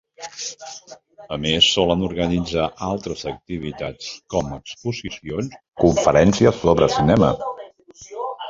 A més, solen organitzar altres activitats, com exposicions o conferències sobre cinema.